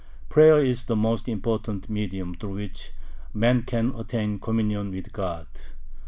Prayer is the most important medium through which man can attain communion with God.